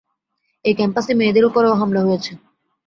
এই ক্যাম্পাসে মেয়েদের ওপরেও হামলা হয়েছে।